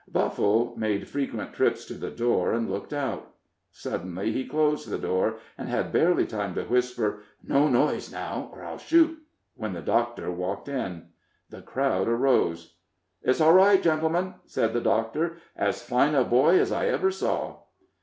Buffle made frequent trips to the door, and looked out. Suddenly he closed the door, and had barely time to whisper, "No noise, now, or I'll shoot," when the doctor walked in. The crowd arose. "It's all right, gentlemen," said the doctor "as fine a boy as I ever saw."